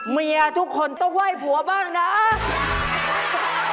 เมียทุกคนต้องไหว้ผัวบ้างนะ